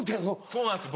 そうなんです